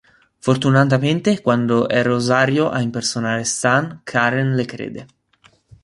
Fortunatamente, quando è Rosario a impersonare Stan, Karen le crede.